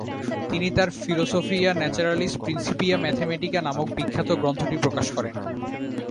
তিনি তার ফিলসফিয়া Naturalis Principia ম্যাথামেটিকা নামক বিখ্যাত গ্রন্থটি প্রকাশ করেন।